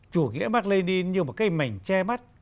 chủ nghĩa mạc lê điên như một cây mảnh che mắt